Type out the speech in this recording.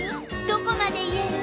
どこまで言える？